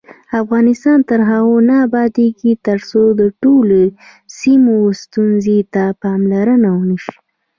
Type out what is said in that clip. افغانستان تر هغو نه ابادیږي، ترڅو د ټولو سیمو ستونزو ته پاملرنه ونشي.